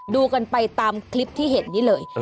ดูกันไปตามคลิปที่เห็นนี้เลย